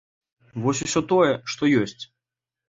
Вось усё тое, што ёсць.